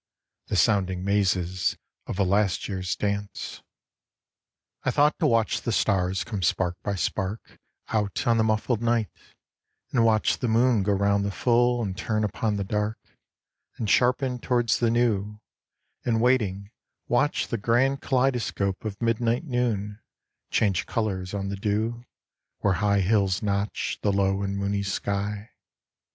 The sounding mazes of a last year's dance. 93 94 A MEMORY I thought to watch the stars come spark by spark Out on the muffled night, and watch the moon Go round the full, and turn upon the dark, And sharpen towards the new, and waiting watch The grand Kaleidoscope of midnight noon Change colours on the dew, where high hills notch The low and moony sky.